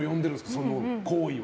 その行為は。